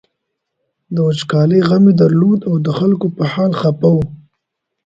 د وچکالۍ غم یې درلود او د خلکو په حال خپه و.